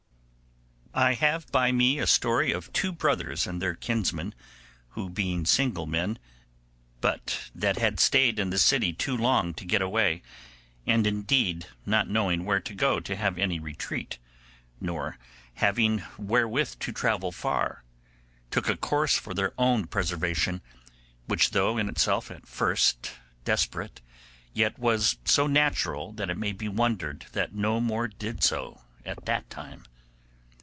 I have by me a story of two brothers and their kinsman, who being single men, but that had stayed in the city too long to get away, and indeed not knowing where to go to have any retreat, nor having wherewith to travel far, took a course for their own preservation, which though in itself at first desperate, yet was so natural that it may be wondered that no more did so at that time.